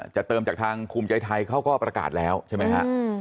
เติมจากทางภูมิใจไทยเขาก็ประกาศแล้วใช่ไหมฮะ